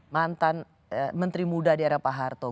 mantan menteri muda di era pak harto